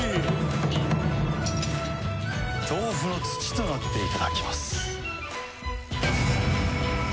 トウフの土となっていただきます。